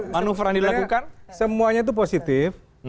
manuveran dilakukan semuanya itu positif